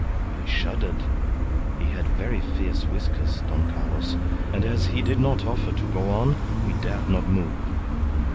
I shuddered. He had very fierce whiskers, Don Carlos, and as he did not offer to go on we dared not move.